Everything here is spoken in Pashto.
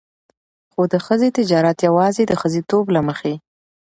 خو د ښځې تجارت يواځې د ښځېتوب له مخې.